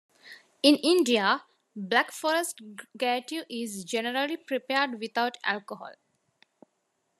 In India, Black Forest gateau is generally prepared without alcohol.